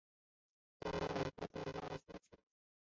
拉东人口变化图示